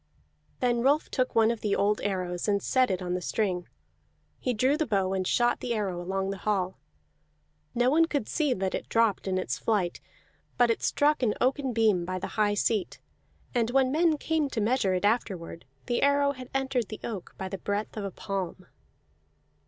Then Rolf took one of the old arrows and set it on the string; he drew the bow and shot the arrow along the hall. No one could see that it dropped in its flight; but it struck an oaken beam by the high seat, and when men came to measure it afterward, the arrow had entered the oak by the breadth of a palm.